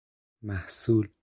محصول